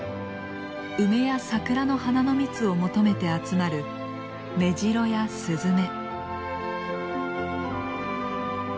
梅や桜の花の蜜を求めて集まるメジロやスズメ。